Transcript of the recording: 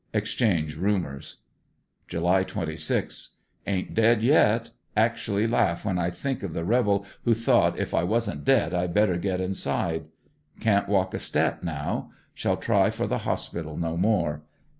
Exchange rumors. July 26. — Ain't dead yet. Actually laugh when I think of the rebel who thought if I wasn't dead I had better get inside. Can't walk a step now. Shall try for the hospital no more.